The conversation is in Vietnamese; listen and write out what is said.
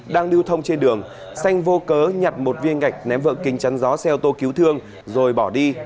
đang điêu thông trên đường xanh vô cớ nhặt một viên ngạch ném vợ kinh chắn gió xe ô tô cứu thương rồi bỏ đi